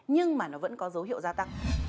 nhưng mà nó vẫn có dấu hiệu gia tăng